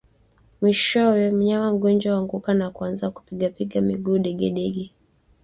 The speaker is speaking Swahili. Mwishowe mnyama mgonjwa huanguka na kuanza kupigapiga miguu degedege